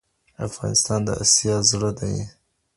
افغانستان د آسیا زړه دئ.